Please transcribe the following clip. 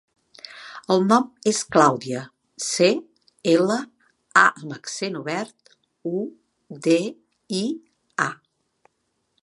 El nom és Clàudia: ce, ela, a amb accent obert, u, de, i, a.